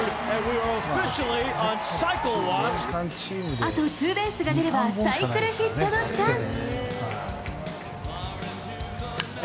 あとツーベースが出れば、サイクルヒットのチャンス。